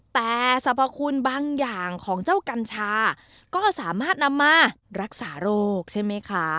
แต่สรรพคุณบางอย่างของเจ้ากัญชาก็สามารถนำมารักษาโรคใช่ไหมคะ